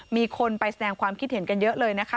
มีคนไปแสดงความคิดเห็นกันเยอะเลยนะคะ